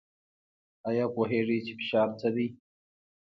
ایا پوهیږئ چې فشار څه دی؟